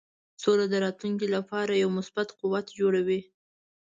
سوله د راتلونکې لپاره یو مثبت قوت جوړوي.